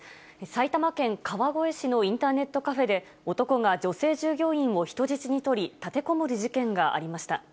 埼玉県川越市のインターネットカフェで、男が女性従業員を人質に取り、立てこもる事件がありました。